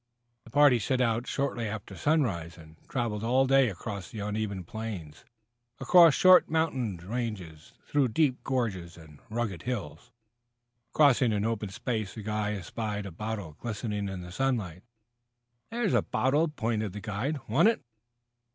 The party set out shortly after sunrise, and traveled all day across the uneven plains, across short mountain ranges, through deep gorges and rugged foothills. Crossing an open space the guide espied a bottle glistening in the sunlight. "There's a bottle," pointed the guide. "Want it?"